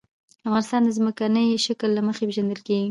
افغانستان د ځمکنی شکل له مخې پېژندل کېږي.